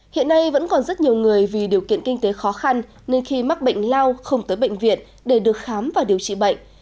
hiện nay vẫn còn rất nhiều người vì điều kiện kinh tế khó khăn nên khi mắc bệnh lao không tới bệnh viện để được khám và điều trị bệnh